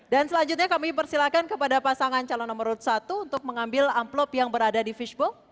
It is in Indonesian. dan selanjutnya kami persilakan kepada pasangan calon nomor satu untuk mengambil amplop yang berada di fishbowl